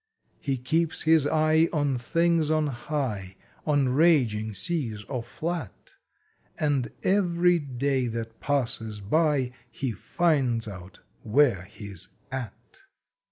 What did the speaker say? He keeps his eye on things on high, On raging seas or flat, And every day that passes by He finds out where he s "at"!